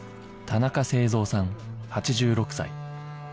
田中誠三さん８６歳